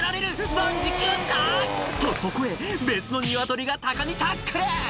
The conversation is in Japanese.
万事休すか⁉とそこへ別のニワトリがタカにタックル！